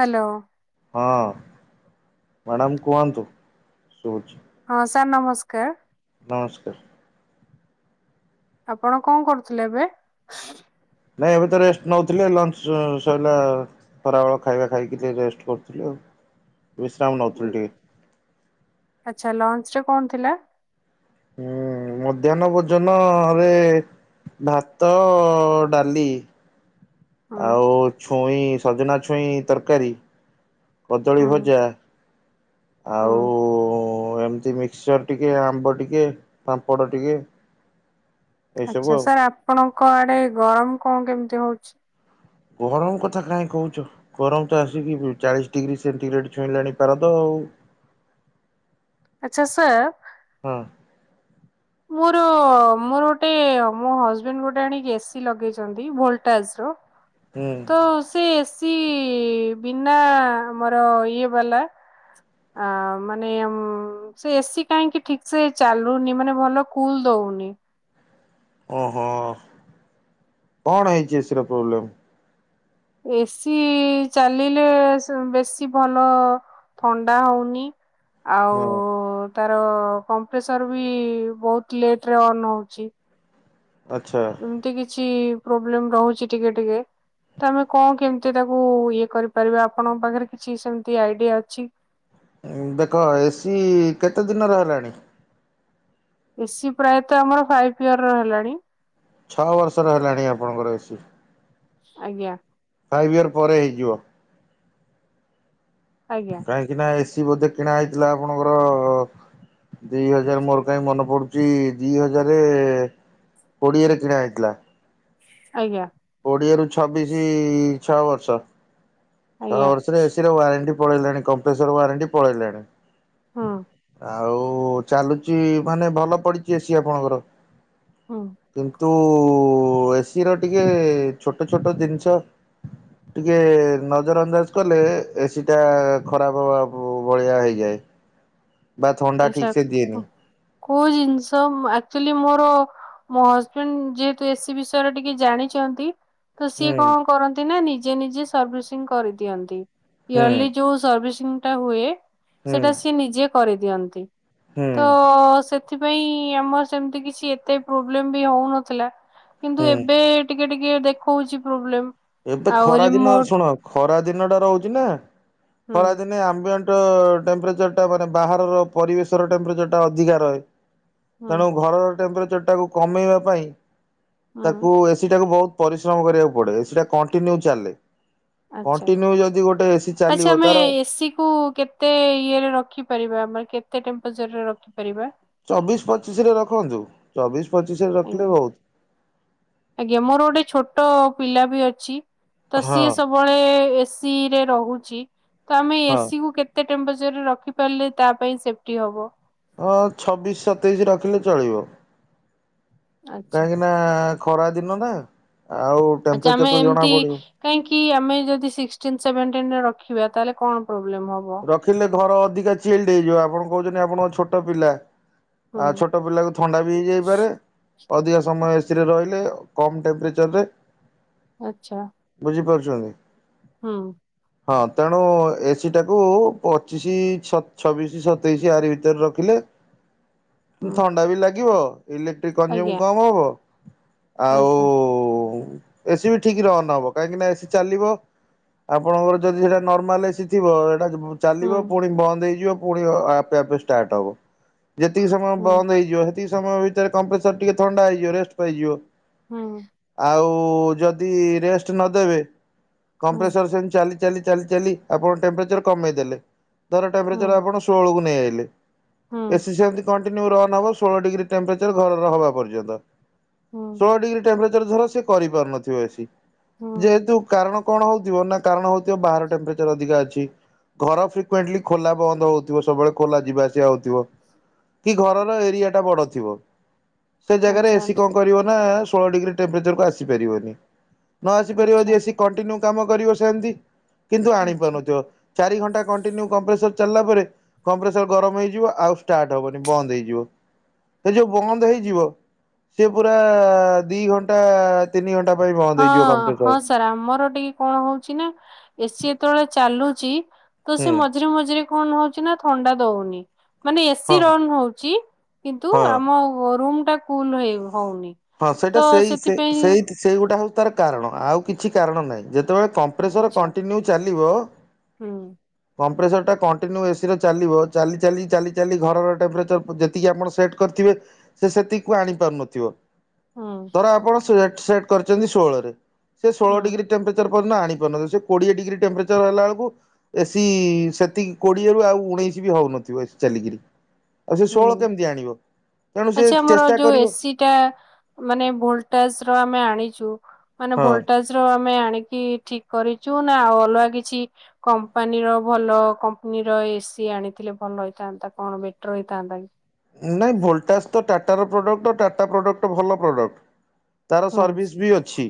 Hello. ହଁ madam କୁହନ୍ତୁ ଶୁବୁଛି। ହଁ ସାର୍ ନମସ୍କାର। ନମସ୍କାର। ଆପଣ କଣ କରୁଥିଲେ ଏବେ? ନାଇଁ ଏବେ ତ ରେଷ୍ଟ ନେଉଥିଲେ ଲଞ୍ଚ ସରିଲା ଖରାବେଳ ଖାଇବା ଖାଇକି ଟିକେ ରେଷ୍ଟ କରୁଥିଲି ଆଉ। ବିଶ୍ରାମ ନଉଥିଲି ଟିକେ। ଆଚ୍ଛା ଲଞ୍ଚ ରେ କଣ ଥିଲା? ହୁଁ ମଧ୍ୟାହ୍ନ ଭୋଜନ ରେ ଭାତ ଡାଲି। ହୁଁ ଆଉ ଛୁଇଁ ସଜନା ଛୁଇଁ ତରକାରୀ। କଦଳୀ ହୁଁ ଭଜା ହୁଁ ଆଉ ହଁ ଏମିତି ମିକ୍ସଚର ଟିକେ ଆମ୍ବ ଟିକେ ପାମ୍ପଡ଼ ଟିକେ। ଏଇସବୁ ଅଚ୍ଛା ଆଉ ସାର୍ ଆପଣଙ୍କ ଆଡେ ଗରମ କଣ କେମିତି ହଉଛି? ଗରମ କଥା କାହିଁ କହୁଛ ଗରମ ତ ଆସିକି ଚାଳିଶ ଡିଗ୍ରୀ ସେଣ୍ଟିଗ୍ରେଡ ଛୁଇଁଲାଣି ତାର ତ ଆଉ। ଅଚ୍ଛା ସାର ହଁ। ମୋର ମୋର ଗୋଟେ ମୋ ହଜବେଣ୍ଡ ଗୋଟେ ଆଣିକି ଏସି ଲଗେଇଛନ୍ତି ଭୋଲଟାଜ ର। ହୁଁ ତ ସେ ଏସି କି ବିନା ଆମର ଇଏ ବାଲା। ଆ ମାନେ ସେ ଏସି କାହିଁକି ଠିକ ସେ ଚାଲୁନି ମାନେ ଭଲ କୁଲ ଦଉନି। ଓହୋ କଣ ହେଇଛି ଏସି ର ପ୍ରୋବ୍ଲେମ୍? ଏସି ଚାଲିଲେ ବେଶୀ ଭଲ ଥଣ୍ଡା ହଉନି। ଆଉ ହଁ ତାର କମ୍ପ୍ରେସର ବି ବହୁତ ଲେଟ ରେ ଅନ୍ ହଉଛି। ଆଚ୍ଛା ଏମିତି କିଛି ପ୍ରୋବ୍ଲେମ ରହୁଛି ଟିକେ ଟିକେ ତ ଆମେ କଣ କେମିତି ତାକୁ ଇଏ କରିପାରିବା ଆପଣଙ୍କ ପାଖରେ କିଛି ସେମିତି ଆଇଡିଆ ଅଛି। ଦେଖ ଏ ସିି କେତେ ଦିନରେ ହେଲାଣି ଏ ସିି ପ୍ରାୟତ ଆମର ଫାଇଭ ଇୟର ର ହେଲାଣି ଛଅ ବର୍ଷର ହେଲାଣି ଆପଣଙ୍କର ଏସି ଆଜ୍ଞା। ଫାଇଭ୍ ଇୟର୍ ପରେ ହେଇଯିବ। ଆଜ୍ଞା କାହିଁକି ନା କିଛି ବୋଧେ କିଣା ହେଇଥିଲା ଆପଣଙ୍କର ଦିଇହଜାର ମୋର କାହିଁ ମନେ ପଡୁଛି ଦିଇ ହଜାର କୋଡିଏରେ କିଣା ହେଇଥିଲା। ଆଜ୍ଞା। [inaudible] ଛଅ ବର୍ଷ। ଛଅ ଆଜ୍ଞା। ବର୍ଷରେ ଏ ସି ର ୱାରଣ୍ଟି ପଳେଇଣି କମ୍ପ୍ରେସର ୱାରେଣ୍ଟି ପଳେଇଲାଣି। ହୁଁ ଆଉ ଚାଲୁଛି ମାନେ ଭଲ ପଡିଚି ଏ ସି ଆପଣଙ୍କର। ହଁ। ତୁ ଏ ସି ର ଟିକେ ଛୋଟ ଛୋଟ ଜିନିଷ ଟିକେ ନ ନଜର ଅନ୍ଦାଜ କଲେ ଏ ସିଟା। ବା ଥଣ୍ଡା ଠିକ ସେ ଦିଏନି। ଆଚ୍ଛା। କୋଉ ଜିନିଷ ଆକଚୁଆଲି ମୋର ମୋ ହଜବେଣ୍ଡ ଯେତୁ ଏ ସି ବିଷୟରେ ଟିକେ ଜାଣିଛନ୍ତି। ତୁ ହୁଁ ସିଏ କଣ କରନ୍ତି ନା ନି ନିଯେ ନିଜେ ସର୍ଭିସିଂ କରିଦିଅନ୍ତି। [inaudible] ହୁଁ ହୁଁ ଚିନ୍ତା [inaudible] ପରେ ଦିଅନ୍ତି। ହୁଁ ତ ସେ ସେଥିପାଇଁ ଆମର ସେମିତି କିଛି ଏତେ ପ୍ରୋବ୍ଲେମ ବି ହଉନଥିଲା। କିନ୍ତୁ ହୁଁ। ଏବେ ଟି ଟିକେ ଟିକେ ଦେଖଉଛି ପ୍ରୋବ୍ଲେମ୍। ଏବେ ଖରା ଦିନ ଶୁଣ ଖ ଦିନଟା ରହୁଛି ନା। ହୁଁ ଖରାଦିନେ ଆମ୍ବି [unintelligible] ଟେମ୍ପଚର ଟା ମାନେ ବାହାରର ପରିବେଶ ର ଟେମ୍ପରେଚର ଟା ଅଧିକା ରହେ। ହୁଁ ତେଣୁ ଘରର ଟେମ୍ପଜର ତାକୁ କମେଇବା ପାଇଁ ହୁଁ ତାକୁ ଏସିି ଟାକୁ ବହୁତ ପରିଶ୍ରମ କରିବାକୁ ପଡେ ସେଇଟା। କଣ୍ଟିନ୍ୟୁ ଚାଲେ। ଆଛା ଯଦି ଗୋଟେ ଏସି ଆଚଛା ଚାଲିବ ଆମେ ତାର ଏସିି କୁ କେତେ ଇଏରେ ରଖିପାରିବା ଆମରେ। କେତେ ଟେମ୍ପଚରରେ ରଖିପାରିବା। ଚବିଶ ପଚିଶରେ ରଖନ୍ତୁ ଚବିଶ ପଚିଶରେ ରଖିଲେ ଆଜ୍ଞା ବହୁତ ଆଜ୍ଞା ମୋର ଗୋଟେ ଛୋଟ। ପିଲା ବି ଅଛି। ତ ହଁ ସିଏ ସବୁବେଳେ ଏସିି ରେ ରହୁଛି। ଜ ତ ଆମେ ହଁ ଏସିି କୁ କେତେ ରଖି ପାରିଲେ ତା ପାଇଁ ସେଟି ହବ। ହଁ ଛବିଶ ସତେଇଶ ରଖିଲେ ଚଳିବ। ଆଚ୍ଛା। କାହିଁକି ନା ଖରା ଦିନ ନା। ଆଉ ଆ୍ଛା ଟେମ୍ପରେଚର ଆମେ ତ ଜଣା ଏମିତି ପଡିବ କାହିଁକି ଆମେ ଯଦିିକନ ସେଭେଟିନ ର ଥିବା ତାହେଲେ କଣ? ପ୍ରୋବ୍ଲେମ ହବ ରଖିଲେ ଘର ଅଧିକା ଚେଲଡ ହେଇଯିବ ଆପଣ କହୁଛନ୍ତିି ଆପଣଙ୍କ ଛୋଟ ପିଲା ହୁଁ ଆଉ ଛୋଟ ପିଲାକୁ ଥଣ୍ଡା ବି ହେଇଯାଇପାରେ। ଅଧିକା ସମୟ ଏସିରେ ରହିଲେ କମ୍ ଟେମ୍ପରେଚରରେ। ଆଚ୍ଛା ଜେ ହଁ ହଁ ତେଣୁ ଏସି ଏଟାକୁ ପଚିଶି ଛବିଶି ସତେଇଶି ଆରି ଭିତରେ ରଖିଲେ। ହୁଁ ଥଣ୍ଡା ବି ଲାଗିବ। ଇଲେକ୍ଟ୍ରିକ୍ କନଜ୍ୟୁମ ଆଜ୍ଞା କମ୍ ହେବ। ଆଉ ଆଜ୍ଞା ଏସି ବି ଠିକ ରହନହବ କାହିଁକି ନା ଏସି ଚାଲିବ ଆପଣଙ୍କର ଯଦି ସେଟା ନର୍ମାଲ ଏସି ିବ ହୁଁ ଚାଲିବ ପୁଣି ବନ୍ଦ ହେଇଯିବ ପୁଣି ଆପେ ଆପେ ଷ୍ଟାର୍ଟ ହବ ଯେତିକ ସମୟ ହୁଁ ବନ୍ଦ ହେଇଯିବ ସେତିକ ସମୟ ସର ଟିକେ ଥଣ୍ଡା ହେଇଯିବ ରେଷ୍ଟ ପାଇଯିବ ହୁଁ [inaudible] ଆଉ ଓ ଯଦି ରେଷ୍ଟ ନଦେବେ ହୁଁ କମ୍ପ୍ରେସର ସେମତି ଚାଲି ଚାଲି ଚାଲି ଚାଲି ଆପଣ ଟେମ୍ପରେଚର କମେଇଦେଲେ। ତର ହୁଁ ଟେମ୍ପରେଚର୍ ଆପଣ ଷୋଳକୁ ନେଇଆଇଲେ। ହୁଁ [inaudible] ଏସି ସେମତି କଣ? ବ ଷୋହଳ ଡିଗ୍ରୀ ଟମ୍ଚର ଘରର ହବା ପର୍ଯ୍ୟନ୍ତ। ହୁଁ ସୋଳ ଡିଗ୍ରୀ ଟେମ୍ପ୍ରେଚର ଧର ସେ କରିପାରୁନଥିବ ଏସି। ହୁଁ ଯେହେତୁ କାରଣ କଣ ହଉଥିବ ନା କାରଣ ହଉଥିବ ବାହାର ଟେମ୍ପ୍ରେ ଅ ଘର ଖୋଲା ବନ୍ଦ ହଉଥିବ ସବୁବେଳେ ଖୋଲା ଯିବା ଆସିବା ହଉଥିବ କି ଘରର ଏରିଆ ଟା ବଡ ଥିବ। ସେ ଜାଗାରେ ଆଚ୍ଛା ଏସି କଣ କରିବ ନା ଷୋହଳ ଡିଗ୍ରୀ ଟେମ୍ପରେଚରକୁ ଆସିପାରିବନି। ନ ଆସି ପାରିବ ଆଚ୍ଛା ଯ ଏସି କଣ୍ଟିନ୍ୟୁ କାମ କରିବ ସେ୍ମତି। କିନ୍ତୁ ଆଣିବ। ଆଚ୍ଛା [unintelligible] ଚାରି ଘଣ୍ଟା କଣ୍ଟିନ୍ୟୁ କମ୍ପ୍ରେସର ଚାଲିଲା ପରେ କମ୍ପ୍ରେସର ଗରମ ହେଇଯିବ ଆଉ ଷ୍ଟାର୍ଟ ହବନି ବନ୍ଦ ହେଇଯିବ ସେ ଯୋଉ ବନ୍ଦ ହେଇଯିବ ସେ ପୁରା ଦି ଘଣ୍ଟା ତିନି ଘଣ୍ ହଁ ହଁ ସାର୍ ଆମର ଟିକେ କଣ ହଉଛି ନା ଏସି ଯେତେବେଳେ ଚାଲୁଛି। ତ ହୁଁ ସେ ମଝିରେ ମଝିରେ କଣ ହଉଛି ନା ଥଣ୍ଡା ଦଉନି। ମାନେ ହଁ ଏସି ରନ୍ ହଉଛି କିନ୍ତୁ ହଁ ଆମ ରୁ ଟା କୁଲ ହେଇନି। ହଁ ସେଇଟା ସେଇ ସେ ସେଇ ସେଇ ଗୁଟା ହଉଛି ତାର କାରଣ ଆଉ କିଛି କାରଣ ନାହିଁ ଯେତେବେଳେ କମ୍ପ୍ରେସର ଆଛା କଣ୍ଟିନ୍ୟୁ ଚାଲି ଥିବ। ହୁଁ। କମ୍ପ୍ରେସର ଟା କଣ୍ଟିନ୍ୟୁ ଏସି ଚାଲିବ ଚାଲି ଚାଲି ଚାଲି ଚାଲି ଘରର ଟେମ୍ପରେଚର ଯେତିକି ଆପଣ ସେଟ୍ କରିଥିବେ ସେ ସେତିକିକୁ ଆଣିପାରୁନଥିବ। ହୁଁ ଧର ଆପଣ ସ ଟ କରିଛନ୍ତି ଷୋହଳରେ- ସେ ହୁଁ ଷୋଳ ଡିଗ୍ରୀ ଟେମ୍ପରେଚର- ଆଣି ପାରୁନିବ ସେ କୋଡିଏ ଡିଗ୍ରୀ ଟେମ୍ପରେଚର ହେଲା ବେଳକୁ ଏସି ସେତିକି କୋଡିଏରୁ ଆଉ ଉଣେଇଶି ବି ହଉନଥିବ ଚାଲିକରି- ଆଉ ସେ ଷୋହଳ ହୁଁ କେମିତି ଆଣିବ ତେଣୁ ସେ ଆଚ୍ଛା ଆମର ଚେଷ୍ଟା ଯୋଉ କରିବ- ଏସି ଟା ମାନେ ଭୋଲଟେଜ ର ଆମେ ଆଣିଛୁ- ମାନେ ହଁ ଭୋଲଟେଜ ର ଆମେ ଆଣିକି ଠିକ- କରିଛୁ ନା ଆଉ ଅଲଗା କିଛି କମ୍ପାନୀର ଭଲ କମ୍ପାନୀର ଏସିି ଆଣିଥିଲେ ଭଲ ହେଇଥାନ୍ତା କଣ- ରହିଥାନ୍ତା। ନାହିଁ ଭୋଲ୍ଟାଜ୍ ତ ଟାଟାର ପ୍ରଡ଼କ୍ଟ ଆ ଟାଟା ପ୍ରଡ଼କ୍ଟ ଭଲ ପ୍ରଡ଼କ୍ଟ- ତାର ହୁଁ ସର୍ଭିସ୍ ବି ଅଛି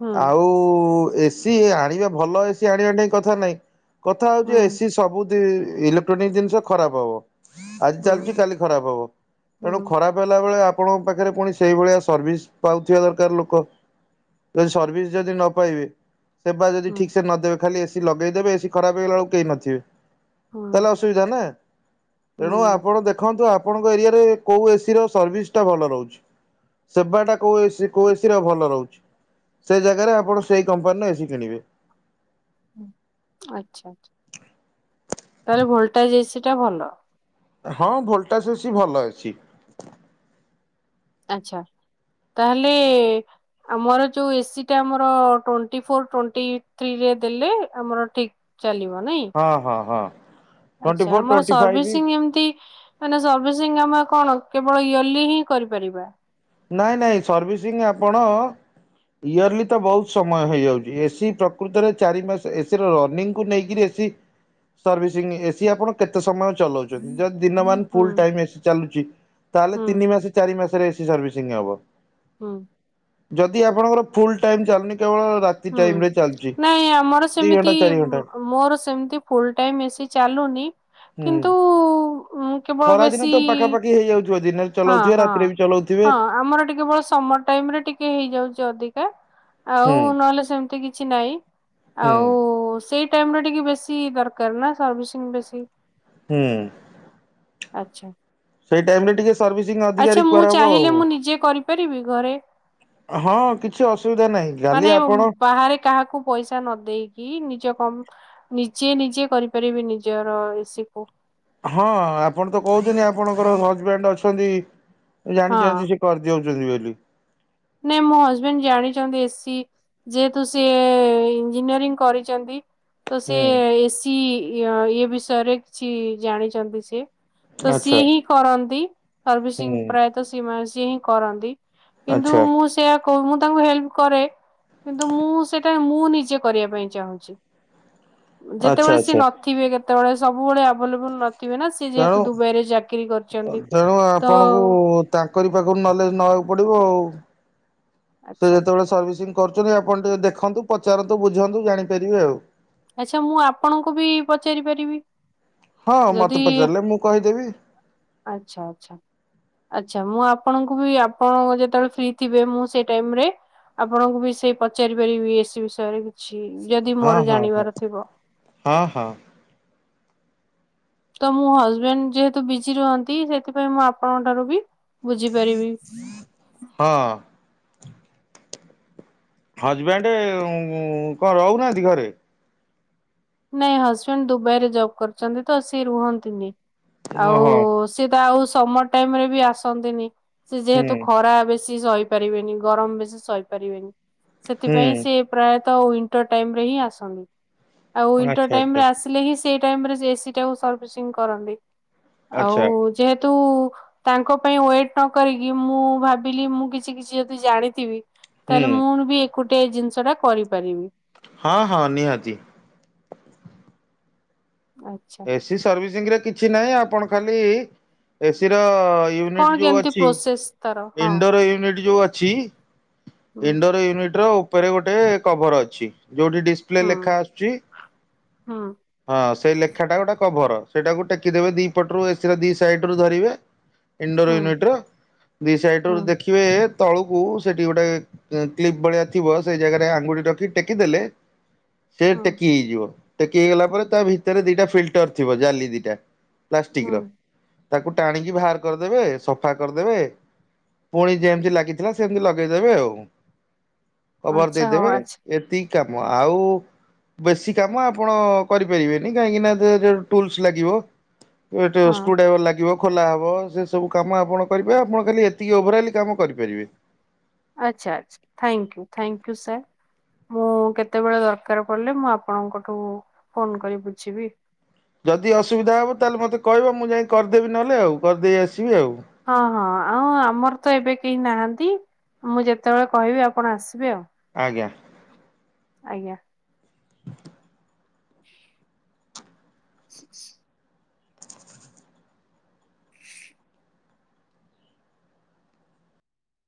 ହୁଁ ଆଉ- ଏସିି ଆଣିବା ଭଲ ଏସି ଆଣିବା ଟାଇ କଥା ନାଇଁ- କଥା ହଉଛି ହୁଁ ଏ ସି ସବୁ- ଇଲେକ୍ଟ୍ରୋନିକ୍ ଜିନିଷ ଖରାପ ହବ- ଆଜି ଚାଲଚି କାଲି- ଖରାପ ହବ ହୁଁ ତେଣୁ ଖରାପ ହେଲା- ସେତେବେଳେ ଆପଣଙ୍କ ପାଖରେ ପୁଣି ସେଇଭଳିଆ ସର୍ଭିସ ପାଉଥିବା ଦରକାର ଲୋକ ଯଦି ସର୍ଭିସ ଯଦି ନ ପାଇବେ- ସେ ଯଦି ହୁଁ ଠିକ ସେ ନଦବେ ଖାଲି- ଲଗେଇଦେବେ ଏ ଖରାପ ହେଇଗଲା ବଳକୁ କେହି ନଥିବେ- ହୁଁ ତାହେଲେ ଅସୁବିଧା ନା- ହୁଁ ତେଣୁ ଆପଣ ଦେଖ- ଆପଣଙ୍କ ଏରିଆରେ କେଉଁ ଏସିର ସର୍ସ୍ଟା ଟା ଭଲ ରହୁଛି। ସେବାଟା କଉ ଏ ସି -କଉ ଏ ସି ଭଲ ରହୁଛି। ସେ ଜାଗାରେ ଆପଣ ସେ କମ୍ପାନୀ ଏ ସି କିଣିବେ - ଆଛା ତାହଲେ ଭୋଲଟା ଯେ ସେଟା ଭଲ- ହଁ ଭୋଲଟାଜ ଅଛି ଭଲ ଅଛି- ଆଛା ତାହେଲେ ଆମର ଯୋଉ ଏସି ଟା ଆମର ଟଣ୍ଟି ଫୋର ଟଣ୍ଟି ଥରେ ଦେଲେ ଆମର ଠିକ- ହଁ ହଁ ହଁ ଟ୍ୱେଣ୍ଟି ଅଚ୍ଛା ଫୋର ଆମର ଟ୍ୱେଣ୍ଟି ଫାଇଭ୍ ସର୍ଭିସିଂ ଏମିତି ମାନେ ସର୍ଭିସିଂ ଆମ କଣ- କେବଳ ଇୟର୍ଲି ହିଁ କରିପାରିବା- ନାଇଁ ନାଇଁ ସର୍ଭିସିଂ ଆପଣ ଇୟର୍ଲି ତ ବହୁତ ସମୟ ହେଇଯାଉଛି ଏସିି ପ୍ରକୃତରେ ଚାରି ମାସ ଏସିର ରନିଂକୁ ନେଇକରି ଏସି ସର୍ଭିସିଂ ଏସିି ଆପଣ କେତେ ସମୟ ଚଲାଉଛି- ଯଦି ଦିନ ହୁଁ ମଲ ଚାଲୁଛି ତାହେଲେ ହୁଁ ତିନି ମାସ ଚାରି ମାସରେ- ସାର୍ଭିସିଂ ହବ ହଁ ଯଦି ଆପଣଙ୍କର ଫୁଲ ଟାଇମ ଚାଲନି ହୁଁ ନାଇଁ ଆମର ଦି ଘଣ୍ଟା ସେମିତି ଚାରି ଘଣ୍ଟା ମୋର ସେମିତି ଫୁଲ ଟାଇମ ଏ ଚାଲୁନି କିନ୍ତୁ କେବଳ ଖରାଦିନ ବେଶୀ ତ ପାଖାପାଖି ହେଇଯାଉଛି, ହଁ ହଁ ହଁ ଆମର ଟିକେବଳ ସମର ଟାଇମ ରେ ଟିକେ ହେଇଯାଉଛି ଅଧିକା ଆଉ ହୁଁ ନହେଲେ ସେମିତି କିଛି, କିଛି ନହିଁ ହୁଁ ଆଉ ସେଇ ଟିକେ ବେଶୀ ଦରକାର ନା ସସି ବେଶୀ ହୁଁ ଆଚ୍ଛା ସେଇ ଟାଇମ ରେ ଟିକେ ସର୍ଭିସିଂ ଅଧିକା ଆଚ୍ଛା ମୁଁ ରିକ୍ୱାର ହବ ଚାହିଁଲେ ଆଉ ମୁଁ ନିଜେ କରିପାରିବି ଘରେ ହଁ କିଛି ଅ ମାନେ ବାହାରେ କାହାକୁ ପଇସା ନ ଦେଇେଇକି ନିଜ କ ନିଜେ ନିଜେ କରିପାରିବି ନିଜର ଏସି କୁ ହଁ ଆପଣ ତ କହୁଛନ୍ତିି ଆପଣଙ୍କର ହଜବ୍ୟାଣ୍ଡ ଅଛନ୍ତି। ହଁ। ଜାଣିଛନ୍ତିଛନ୍ତି ସେ କରିଦିଉଛି, ଜିବଲି ନାଇଁ ମୋ ହଜବେଣ୍ଡ ଜାଣିଛନ୍ତି ଏସିି ଯେହେତୁ ସି ଇଞ୍ଜିନିୟରିଂ କରିଛନ୍ତି। ତ ସେ ହୁଁ ଏସି ଏ ବିଷୟରେ କିଛି ଜାଣିଛନ୍ତି ସେ ତଶ ଆଚ୍ଛା ଏହି କରନ୍ତି ହରବୀ ସିଂ ହୁଁ ପ୍ରାୟତ ସିମା ସଁ [inaudible] କରନ୍ତି କିନ୍ତୁ ଆଚ୍ଛା ମୁଁ ସେୟା ମୁଁ ତାଙ୍କୁ ହେଲ୍ପ କରେ କିନ୍ତୁ ମୁଁ ସେଟା ମୁଁ ନିଜେ କରିବା ପାଇଁ ଚାହୁଁଛି, ଆଚ୍ଛା ଯେତେବେଳେ ସିଏ ଆଚ୍ଛା ନଥିବେ କେେ ସେତେବେଳେ ସବୁବେଳେ ଆଭେଲେବୁଲ ନଥିଲା ତେଣୁ ତେଣୁ ତ ଆପଣଙ୍କୁ ତାଙ୍କରି ପାଖରୁ ନଲେଜ ନବାକୁ ପଡିବ ଆଉ ସେ ଆଚ୍ଛା ଯେତେବେଳେ ସର୍ଭିସିଂ କରୁଛନ୍ତି ଆପଣ ଟିକେ ଦେଖନ୍ତୁ ପଚାରନ୍ତୁ ବୁଝନ୍ତୁ ଜାଣିପାରିବେ ଆଉ ଆଚ୍ଛା ମୁଁ ଆପଣଙ୍କୁ ବି ପଚାରି ପାରିବି ହଁ ମତେ ଯଦି ପଚାରିଲେ ମୁଁ କହିଦେବି ଆଚ୍ଛା ଆଚ୍ଛା ଆଛ ଆ୍ଛା ମୁଁ ଆପଣଙ୍କୁ ବି ଆପଣ ଯେତେବେଳେ ଫ୍ରି ଥିବେ ମୁଁ ସେଇ ଟାଇମରେ ଆପଣଙ୍କୁ ବି ସେଇ ପଚାରି ପାରିବି ଏ ବିଷୟରେ କିଛି ଯଦି ହଁ ମୋର ହଁ ହଁ ଜାଣିବାର ହଁ ହଁ ତ ମୁୋ ହଜବେଣ୍ଡ ଯେହେତୁ ବିଜି ରୁହନ୍ତି ସେଥିପାଇଁ ମୁଁ ଆପଣଙ୍କ ଠାରୁ ବି ବୁଝିପାରିବି [inaudible] ହଁ। ହଜବେଣ୍ଡ କଣ ରହୁନାହାନ୍ତି ଘରେ। ନାଇଁ ହଜବେଣ୍ଡ ଦୁବାଇରେ ଜବ୍ କରୁଛନ୍ତି ତ ସିଏ ରୁହନ୍ତିନି। ଆଉ ଓହୋ ସେଟା ଆଉ ସମର ଟାଇମ ରେ ବି ଆସନ୍ତିନି। ସେ ହୁଁ ଯେହେତୁ ଖରା ବେଶି ସହିପାରିବେନି ଗରମ ବେଶି ସହିପାରିବେନି। ହୁଁ ସେଥିପାଇଁ ସିଏ ପ୍ରାୟ ତ ୱିଣ୍ଟର ଟାଇମ ରେ ହିଁ ଆସନି। ଆଉ ୱିଣ୍ଟର ଆଚ୍ଛା ଟାଇମ ଆଚ୍ଛା ରେ ଆସିଲେ ହିଁ ସେ ଟାଇମ ରେ ଏସି ଟା ସର୍ଭିସିଂ କରନ୍ତି। ଆଉ ଆଚ୍ଛା ଯେହେ ତୁ ତାଙ୍କ ପାଇଁ ୱେଟ ନ କରିକି ମୁଁ ଭାବିଲି ମୁଁ କିଛି କିଛି ଯଦି ଜାଣିଥିବି ହୁଁ। ତାହେଲେ ମୁଁ ବି ଏକ ଗୋଟେ ଜିନିଷ ଟା କରିପାରିବି। ହଁ ହଁ ନିହାତି। ଆଚ୍ଛା ଏସି ସର୍ଭିସିଂ ରେ କିଛି ନାହିଁ ଆପଣ ଖାଲି ଏସି ର କଣ ୟନିଟ ଯୋ କେମିତି ଅଛି ପ୍ରୋସେସ ତାର ହଁ ଇନଡୋର ୟୁନିଟ ଯୋଉ ଅଛି। [inaudible] ହୁଁ ଇନଡୋର ୟୁନିଟ ର ଉପରେ ଗୋଟେ କଭର ଅଛି। ଯୋଉଠି ଡିସପ୍ଲେ ହୁଁ ଲେଖା ଆସୁଛି। ହୁଁ । ହଁ ସେଇ ଲେଖା ଟା ଗୋଟେ କଭର ସେଇଟାକୁ ଟେକି ଦେବେ ଦି ପଟରୁ ଏସିରେ ଦି ସାଇଡ ରୁ ଧରିବେ। ଇଣ୍ଡୋର ହୁଁ ୟୁନିଟ ର ଦି ସାଇଡ ହୁଁ ର ଦେଖିବେ। ତଳକୁ ସେଠି ଗୋଟେ କ୍ଲିପ ଭଳିଆ ଥିବ ସେଇ ଜାଗାରେ ଆଙ୍ଗୁଠ ରଖି ଟେକିଦେଲେ ସେ ହୁଁ ଟେକି ହେଇଯିବ। ଇ ଗଲା ପରେ ତା ଭିତରେ ଦିଟା ଫିଲ୍ଟର ଥିବ ଜାଲି ଦିଟା ପ୍ଲାଷ୍ଟିକ୍ର ହୁଁ। ତାକୁ ଟାଣିକି ବାହାର କରିଦେବେ ସଫା କରିଦେବେ। ପୁଣି ଯେମିତି ଲାଗିଥିଲା ସେମିତି ଲଗେଇଦେବେ ଆଉ। କଭର ଆଚ୍ଛା ହଉ ଦେଇଦେବେ ଆଚ୍ଛା ଏତିକ କାମ ଆଉ ବେଶୀ କାମ ଆ ଆପଣ କରିପାରିବେନି କାହିଁକି ନା ଯେ ଟୁଲସ ଲାଗିବ। ଏଠ ହଁ ସ୍କୁୁ ଡ୍ରାଇଭର ଲାଗିବ। ଖୋଲା ହବ ସେ ସବୁ କାମ ଆପଣ କରିବେ ଆପଣ ଖାଲି ଏତିକି ଓଭରଲି କାମ କରିପାରିବେ। ଆଚ୍ଛା ଆଚ୍ଛା ଥାଙ୍କୟୁ ଥାଙ୍କୟୁ ସାର୍ ମୁଁ କେତେବେଳେ ଦରକାର ପଡିଲେ ମୁଁ ଆପଣଙ୍କଠୁ ଫୋନ କରି ବୁଝିବି। ଯଦି ଅସୁବିଧା ହବ ତାହେଲେ ମତେ କହିବ ମୁଁ ଯାଇ କରିଦେବି ନହେଲେ ଆଉ କରିଦେଇ ଆସିବି। ଆଉ ହଁ ହଁ ଆଉ ଆମର ତ ଏବେ କେହି ନାହାନ୍ତି। ମୁଁ ଯେତେବେଳେ କହିବି ଆପଣ ଆସିବେ ଆଉ ଆଜ୍ଞା ଆଜ୍ଞା [inaudible] [inaudible]